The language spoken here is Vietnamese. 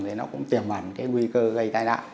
thì nó cũng tiềm mẩn cái nguy cơ gây tai đại